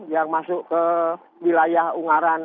yang masuk ke wilayah ungaran